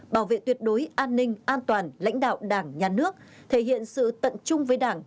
bảo vệ tuyệt đối an ninh an toàn lãnh đạo đảng nhà nước thể hiện sự tận chung với đảng